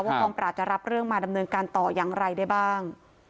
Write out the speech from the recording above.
กองปราบจะรับเรื่องมาดำเนินการต่ออย่างไรได้บ้าง